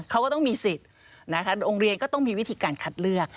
เขาก็ต้องมีสิทธิ์นะคะโรงเรียนก็ต้องมีวิธีการคัดเลือก